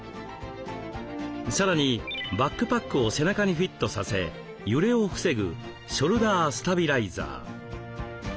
さらにバックパックを背中にフィットさせ揺れを防ぐショルダースタビライザー。